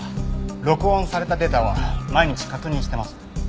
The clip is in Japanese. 録音されたデータは毎日確認してます。